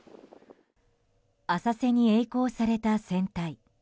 浅瀬に曳航された船体。